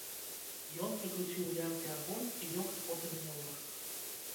Ён прыкруціў у лямпе агонь і лёг з ботамі на ложак.